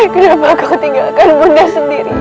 kenapa kau tinggalkan bunda sendiri